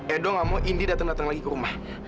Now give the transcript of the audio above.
edo gak mau indi dateng dateng lagi ke rumah